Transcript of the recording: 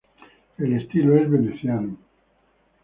El estilo es veneciano.